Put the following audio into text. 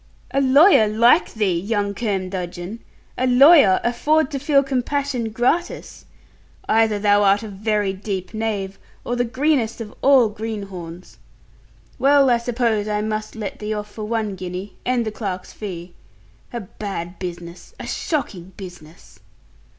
'A lawyer like thee, young curmudgeon! A lawyer afford to feel compassion gratis! Either thou art a very deep knave, or the greenest of all greenhorns. Well, I suppose, I must let thee off for one guinea, and the clerk's fee. A bad business, a shocking business!'